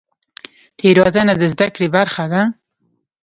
تیروتنه د زده کړې برخه ده؟